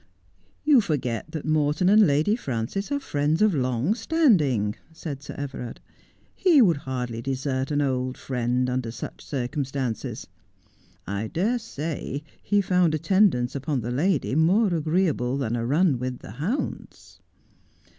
' You forget that Morton and Lady Frances are friends of long standing,' said Sir Everard. ' He would hardly desert an old friend under such circumstances. I dare say he found attend ance upon the lady more agreeable than a run with the hounds.'